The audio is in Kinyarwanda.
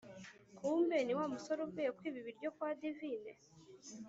kumbe ni wamusore uvuye kwiba ibiryo kwa divine,